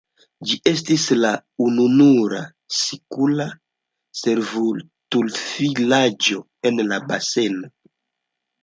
Ĝi estis la ununura sikula servutulvilaĝo en la baseno.